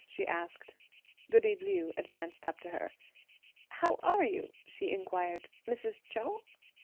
she asked. Goody Liu advanced up to her. "How are you," she inquired, "Mrs. Chou?"